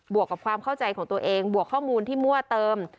วกกับความเข้าใจของตัวเองบวกข้อมูลที่มั่วเติม